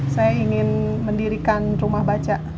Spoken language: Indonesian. saya ingin mendirikan rumah baca